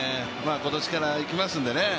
今年から行きますんでね。